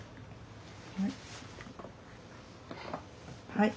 はい。